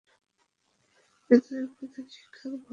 বিদ্যালয়ের প্রধান শিক্ষক বাবু বিশু কুমার চৌধুরী।